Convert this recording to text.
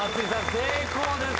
成功です！